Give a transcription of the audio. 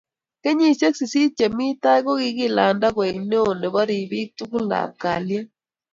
kenyishek sisit che mii tai kokikilanda koek neo nebo ripik tugul ab kalyet